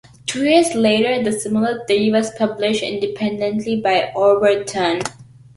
Two years later a similar theory was published independently by Overton.